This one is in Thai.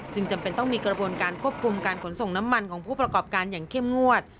จำเป็นต้องมีกระบวนการควบคุมการขนส่งน้ำมันของผู้ประกอบการอย่างเข้มงวด